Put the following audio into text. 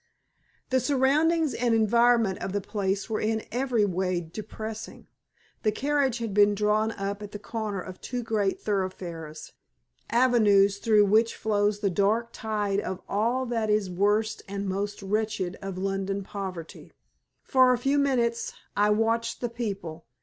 The surroundings and environment of the place were in every way depressing. The carriage had been drawn up at the corner of two great thoroughfares avenues through which flows the dark tide of all that is worst and most wretched of London poverty. For a few minutes I watched the people.